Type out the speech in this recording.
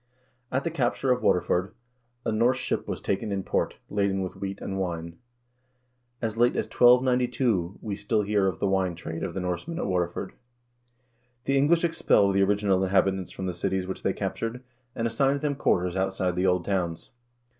At the capture of Waterford THE HEBRIDES AND THE ISLE OF MAN 229 a Norse ship was taken in port, laden with wheat and wine.1 As late as 1292 we still hear of the wine trade of the Norsemen at Waterford.2 The English expelled the original inhabitants from the cities which they captured, and assigned them quarters outside the old towns.